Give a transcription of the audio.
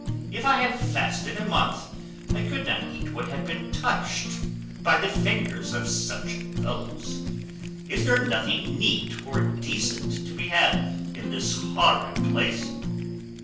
If I had fasted a month, I could not eat what had been touched by the fingers of such fellows. Is there nothing neat or decent to be had in this horrid place?"